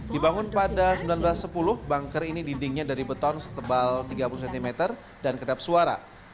dibangun pada seribu sembilan ratus sepuluh banker ini dindingnya dari beton setebal tiga puluh cm dan kedap suara